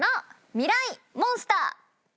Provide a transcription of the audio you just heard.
ミライ☆モンスター。